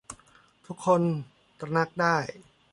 ทุกคนตระหนักได้